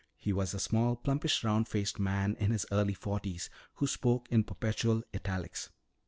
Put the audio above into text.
He was a small, plumpish, round faced man in his early forties, who spoke in perpetual italics.